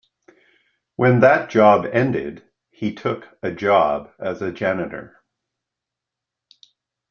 When that job ended, he took a job as a janitor.